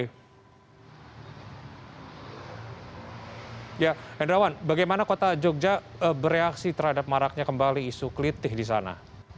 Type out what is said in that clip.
hendrawan bagaimana kota yogyakarta bereaksi terhadap maraknya kembali isu klitih di sana